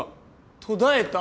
途絶えた？